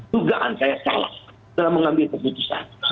dugaan saya salah dalam mengambil keputusan